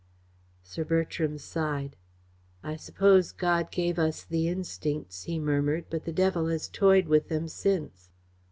Sir Bertram sighed. "I suppose God gave us the instincts," he murmured, "but the devil has toyed with them since."